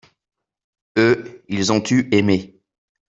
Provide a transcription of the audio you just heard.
eux, ils ont eu aimé.